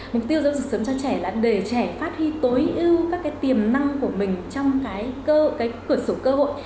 mục tiêu giáo dục sớm cho trẻ là để trẻ phát huy tối ưu các cái tiềm năng của mình trong cái cửa sổ cơ hội